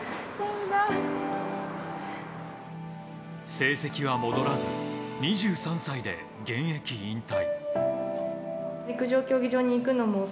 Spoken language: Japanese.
成績は戻らず２３歳で現役引退。